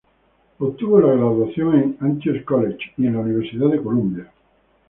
Obtuvo la graduación en Antioch College y en la Universidad de Columbia.